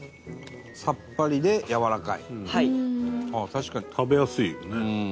ああ確かに食べやすいよね。